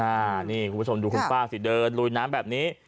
อันนี้คุณผู้ชมดูคุณป้าสิเดินลุยน้ำแบบนี้